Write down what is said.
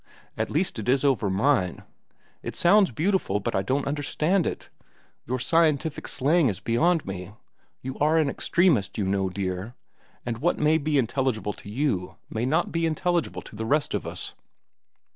At least it is over mine. It sounds beautiful, but I don't understand it. Your scientific slang is beyond me. You are an extremist, you know, dear, and what may be intelligible to you may not be intelligible to the rest of us."